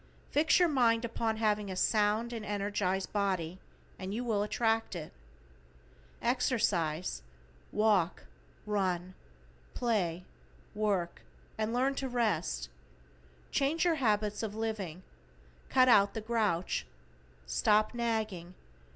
Fix your mind upon having a sound and energized body and you will attract it. Exercise, walk, run, play, work, and learn to rest. Change your habits of living. Cut out the grouch. Stop nagging.